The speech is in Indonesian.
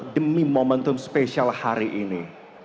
demi momentum spesial hari ini